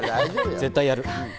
絶対やる！